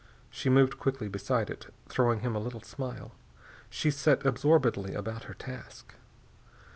She moved quickly beside it, throwing him a little smile. She set absorbedly about her task.